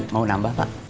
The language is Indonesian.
mau nambah pak